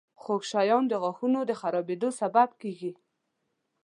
• خوږ شیان د غاښونو د خرابېدو سبب کیږي.